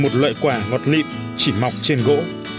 một loại quả ngọt liệm chỉ mỏng trên gỗ